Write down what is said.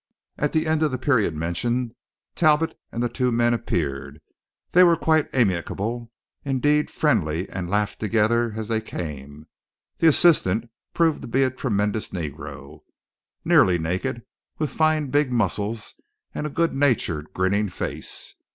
At the end of the period mentioned Talbot and the two men appeared. They were quite amicable; indeed, friendly, and laughed together as they came. The "assistant" proved to be a tremendous negro, nearly naked, with fine big muscles, and a good natured, grinning face.